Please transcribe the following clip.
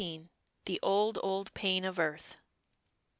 "The old, old pain of earth."